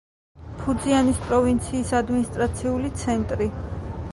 ფუძიანის პროვინციის ადმინისტრაციული ცენტრი.